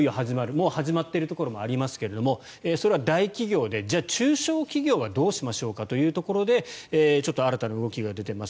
もう始まっているところもありますがそれは大企業でじゃあ、中小企業はどうしましょうかというところでちょっと新たな動きが出ています。